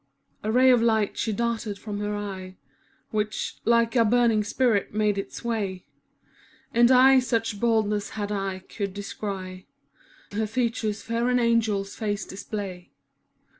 A ray of light she darted from her eye, * Which, like a burning spirit, made its way: And I, such boldness had I, could descry Her features fair an angel's face display.